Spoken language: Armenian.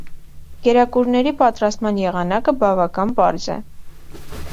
Կերակուրների պատրաստման եղանակը բավական պարզ է։